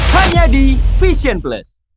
hanya di vision plus